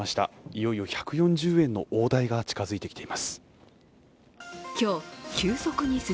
いよいよ１４０円の大台が近づいてきています。